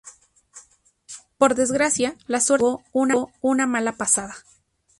Por desgracia, la suerte le jugó una mala pasada.